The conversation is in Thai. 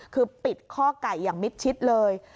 คือปิดข้อไก่อย่างมิดชิดเลย